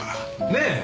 ねえ！